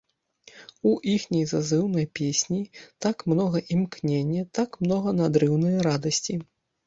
У іхняй зазыўнай песні так многа імкнення, так многа надрыўнае радасці.